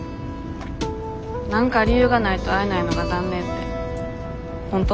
何か理由がないと会えないのが残念って本当？